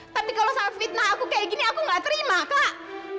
tapi kalau salah fitnah aku kayak gini aku nggak terima kak